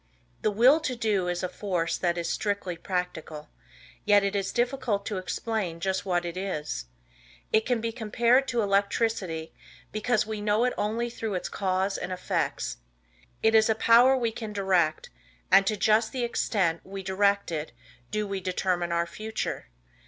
The Will To Do is a force that is strictly practical, yet it is difficult to explain just what it is. It can be compared to electricity because we know it only through its cause and effects. It is a power we can direct and to just the extent we direct it do we determine our future.